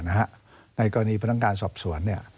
ในกรณีพนักงานสอบสวน